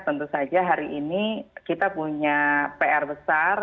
tentu saja hari ini kita punya pr besar